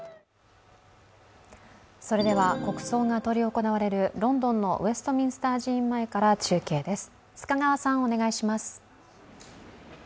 国葬が執り行われるロンドンのウェストミンスター寺院前から中継です。